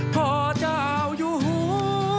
พ่อเจ้ายูหู